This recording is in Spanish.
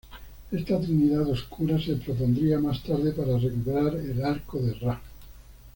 Esta "Trinidad oscura" se propondría más tarde para recuperar el Arco de Ra.